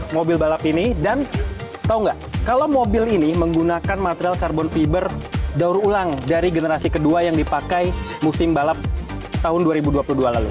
mobil balap ini dan tahu nggak kalau mobil ini menggunakan material karbon fiber daur ulang dari generasi kedua yang dipakai musim balap tahun dua ribu dua puluh dua lalu